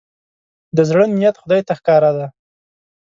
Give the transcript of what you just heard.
د زړه نيت خدای ته ښکاره دی.